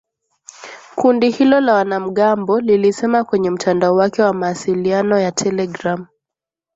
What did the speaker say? Kundi hilo la wanamgambo lilisema kwenye mtandao wake wa mawasiliano ya telegram